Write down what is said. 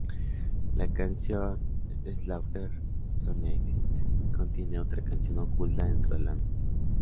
La canción "Slaughter Zone Exit" contiene otra canción oculta dentro de la misma.